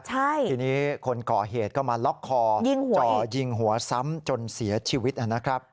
ทีนี้คนก่อเหตุก็มาล็อกคอจ่อยิงหัวซ้ำจนเสียชีวิตนะครับ